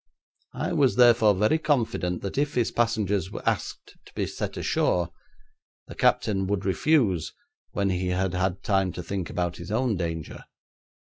I was therefore very confident that if his passengers asked to be set ashore, the captain would refuse when he had had time to think about his own danger.